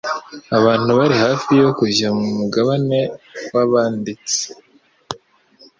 Abantu bari hafi yo kujya mu mugabane w'abanditsi;